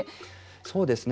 そうですね。